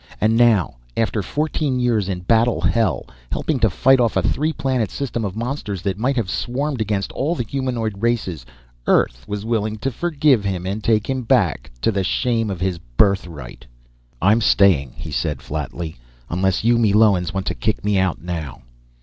And now, after fourteen years in battle hell, helping to fight off a three planet system of monsters that might have swarmed against all the humanoid races, Earth was willing to forgive him and take him back to the shame of his birthright! "I'm staying," he said flatly. "Unless you Meloans want to kick me out now?"